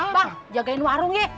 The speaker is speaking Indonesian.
bang jagain warung ya